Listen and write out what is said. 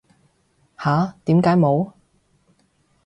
吓？點解冇